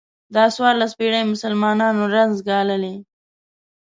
دا څوارلس پېړۍ مسلمانانو رنځ ګاللی.